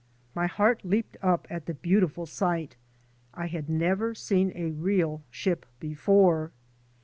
My heart leaped up at the beautiful sight. I had never seen a real ship before.